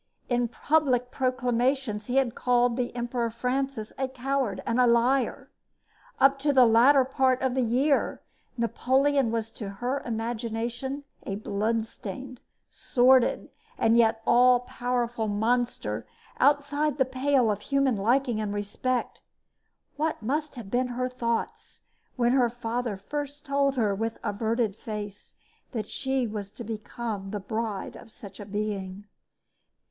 In public proclamations he had called the Emperor Francis a coward and a liar. Up to the latter part of the year Napoleon was to her imagination a blood stained, sordid, and yet all powerful monster, outside the pale of human liking and respect. What must have been her thoughts when her father first told her with averted face that she was to become the bride of such a being?